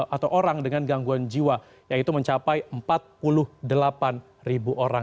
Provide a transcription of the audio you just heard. atau orang dengan gangguan jiwa yaitu mencapai empat puluh delapan ribu orang